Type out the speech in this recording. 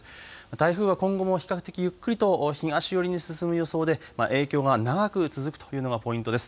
台風は今後も比較的ゆっくりと東寄りに進む予想で影響が長く続くというのがポイントです。